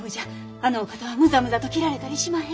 あのお方はむざむざと斬られたりしまへん。